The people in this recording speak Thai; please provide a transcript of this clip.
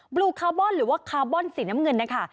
ลูคาร์บอนหรือว่าคาร์บอนสีน้ำเงินนะคะ